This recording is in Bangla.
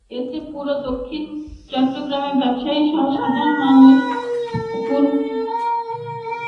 এতে পুরো দক্ষিণ চট্টগ্রামের ব্যবসায়ীসহ সাধারণ মানুষ অপূরণীয় ক্ষতির সম্মুখীন হবে।